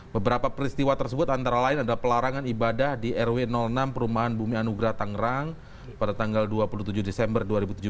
beberapa peristiwa tersebut antara lain adalah pelarangan ibadah di rw enam perumahan bumi anugrah tangerang pada tanggal dua puluh tujuh desember dua ribu tujuh belas